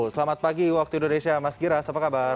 selamat pagi waktu indonesia mas giras apa kabar